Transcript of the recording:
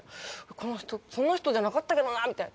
この人そんな人じゃなかったけどなみたいな。